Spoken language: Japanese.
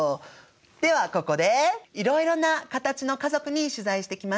ではここでいろいろなカタチの家族に取材してきました。